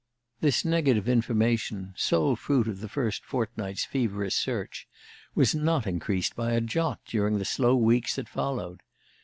This negative information, sole fruit of the first fortnight's feverish search, was not increased by a jot during the slow weeks that followed.